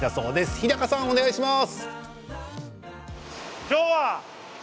日高さん、お願いします。